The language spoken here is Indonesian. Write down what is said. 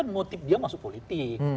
motif dia masuk politik